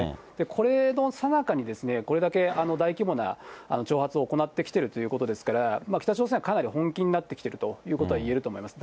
これのさなかに、これだけ大規模な挑発を行ってきてるということですから、北朝鮮はかなり本気になってきてるということは言えると思います。